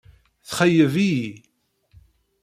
Txeyyeb-iyi.